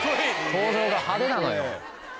登場が派手なのよ。